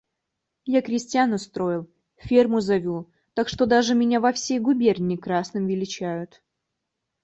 Я крестьян устроил, ферму завел, так что даже меня во всей губернии красным величают.